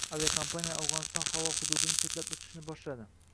Aviakompaniyalar Afg‘oniston havo hududini chetlab uchishni boshladi